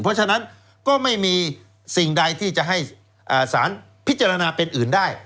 เพราะฉะนั้นก็ไม่มีสิ่งใดที่จะให้สารพิจารณาเป็นอื่นได้